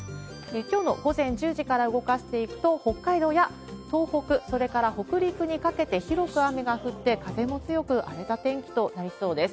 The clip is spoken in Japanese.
きょうの午前１０時から動かしていくと、北海道や東北、それから北陸にかけて広く雨が降って、風も強く、荒れた天気となりそうです。